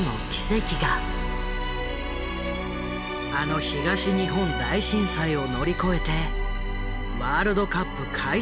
あの東日本大震災を乗り越えてワールドカップ開催を実現したのだ。